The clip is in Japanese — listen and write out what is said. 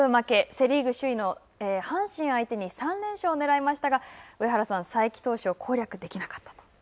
セ・リーグ首位の阪神相手に３連勝をねらいましたが、上原さん、才木投手を攻略できなかったと。